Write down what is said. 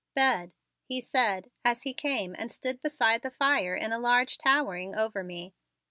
"Bed," he said as he came and stood beside the fire in a large towering over me.